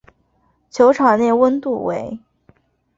球场内温度为。